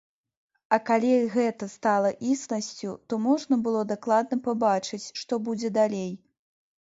А калі гэта стала існасцю, то можна было дакладна пабачыць, што будзе далей.